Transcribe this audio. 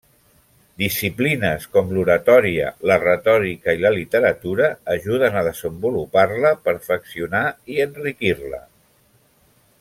Disciplines com l'oratòria, la retòrica i la literatura ajuden a desenvolupar-la, perfeccionar i enriquir-la.